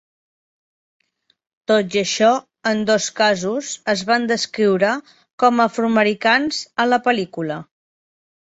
Tot i això, en dos casos es van descriure com a afroamericans a la pel·lícula.